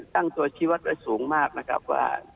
ตั้งตัวชีวัตรไว้สูงมากว่า